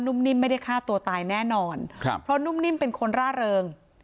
นิ่มไม่ได้ฆ่าตัวตายแน่นอนครับเพราะนุ่มนิ่มเป็นคนร่าเริง